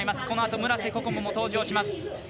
このあと村瀬心椛も登場します。